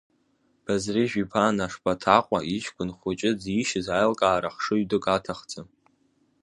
Базрыжә-иԥа Нашбаҭаҟәа иҷкәын хәыҷы дзишьыз аилкаара хшыҩ дук аҭахӡам.